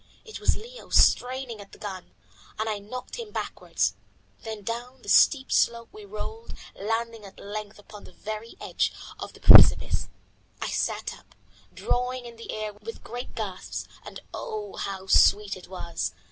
It was Leo straining at the gun, and I knocked him backwards. Then down the steep slope we rolled, landing at length upon the very edge of the precipice. I sat up, drawing in the air with great gasps, and oh! how sweet it was.